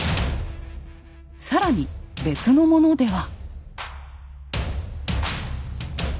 更に別のものでは。